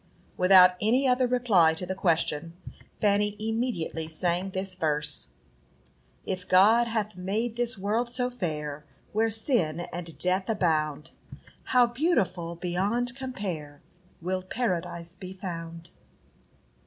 Without any other reply to the question, Fanny immediately sang this verse: "If God hath made this world so fair, Where sin and death abound, How beautiful, beyond compare, Will Paradise be found!"